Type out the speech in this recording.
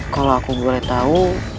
kalau aku boleh tahu